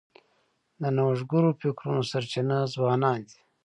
د نوښتګرو فکرونو سرچینه ځوانان دي.